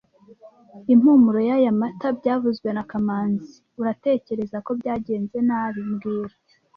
Impumuro y'aya mata byavuzwe na kamanzi Uratekereza ko byagenze nabi mbwira